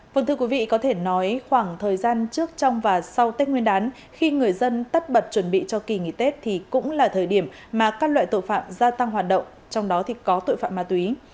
vâng thưa quý vị có thể nói khoảng thời gian trước trong và sau tết nguyên đán khi người dân tắt bật chuẩn bị cho kỳ nghỉ tết thì cũng là thời điểm mà các loại tội phạm gia tăng hoạt động trong đó thì có tội phạm ma túy